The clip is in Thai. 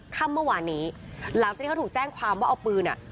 ค่ำเมื่อวานนี้หลังจากที่เขาถูกแจ้งความว่าเอาปืนอ่ะ